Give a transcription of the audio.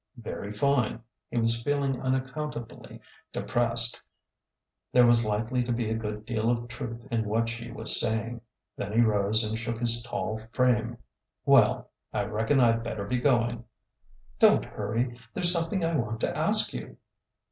"Very fine!" He was feeling unaccountably de pressed. There was likely to be a good deal of truth in what she was saying. Then he rose and shook his tall frame. " Well,— I reckon I 'd better be going." " Don't hurry. There 's something I want to ask you."